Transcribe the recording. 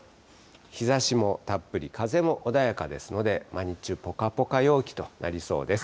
日ざしもたっぷり、風も穏やかですので、日中、ぽかぽか陽気となりそうです。